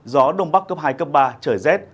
gió đông bắc cấp hai cấp ba trở rét